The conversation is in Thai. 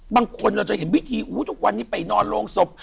บางคนเราจะเห็นวิธีทุกวันนี้ไปนอนโรงศพ